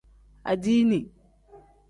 Adiini.